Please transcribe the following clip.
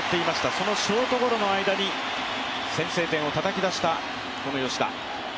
そのショートゴロの間に先制点をたたき出した吉田。